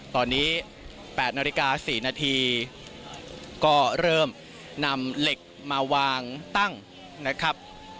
ตอนนี้๘นาฬิกา๔นาทีก็เริ่มนำเหล็กมาวางตั้งนะครับ